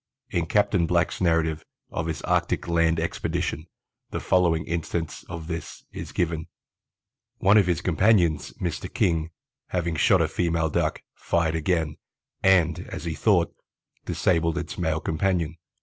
In Capt. Black's narrative of his Arctic land expedition the following instance of this is given: "One of his companions, Mr. King, having shot a female Duck, fired again, and, as he thought, disabled its male companion.